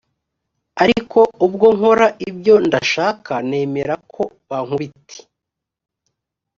ariko ubwo nkora ibyo ndashaka nemera ko bankubiti